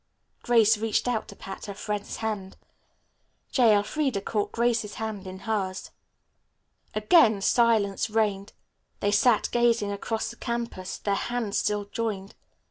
Grace reached out to pat her friend's hand. J. Elfreda caught Grace's hand in hers. Again silence reigned. They sat gazing across the campus, their hands still joined.